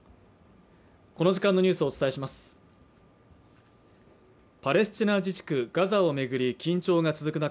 この時間のニュースをお伝えしますパレスチナ自治区ガザをめぐり緊張が続く中